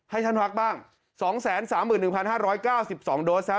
ให้ท่านฮักบ้างสองแสนสามหมื่นหนึ่งพันห้าร้อยเก้าสิบสองโดสฮะ